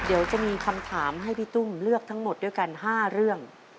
เดี๋ยวจะมีคำถามให้พี่ตุ้มเลือกทั้งหมดด้วยกัน๕เรื่อง